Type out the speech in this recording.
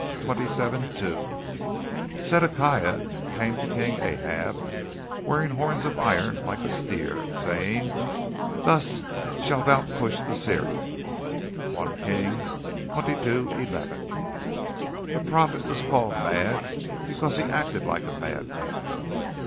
27; 2 ff); Zedekiah came to King Ahab, wearing horns of iron like a steer, and saying, "Thus shalt thou push the Syrians" (1 Kings 22, 11). The prophet was called mad because he acted like a madman.